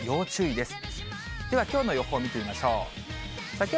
ではきょうの予報見てみましょう。